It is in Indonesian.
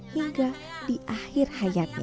hingga di akhir hayatnya